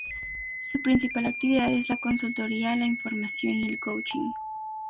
Su principal actividad es la consultoría, la formación y el coaching.